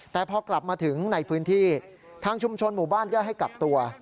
แต่พอกลับมาถึงในพื้นที่ทางชุมชนหมู่บ้านก็ให้กักตัว